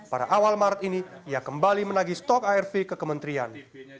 pada awal maret ini ia kembali menagi stok arv ke kementerian